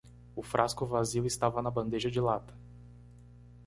O frasco vazio estava na bandeja de lata.